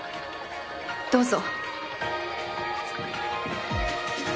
どうぞ。